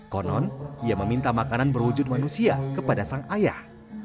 konon ia meminta makanan berwujud manusia kepada sang ayah